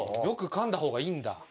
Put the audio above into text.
よく噛んだ方がいいんだ。